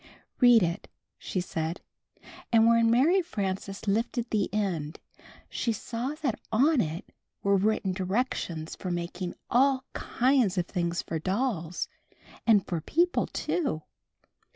"Read it," she said; and when Mary Frances lifted the end, she saw that on it were written directions for making all kinds of things for dolls, and for people, too.